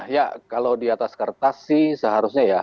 ya kalau di atas kertas sih seharusnya ya